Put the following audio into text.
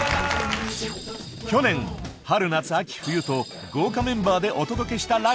去年「春」「夏」「秋」「冬」と豪華メンバーでお届けした「ＬＩＦＥ！」。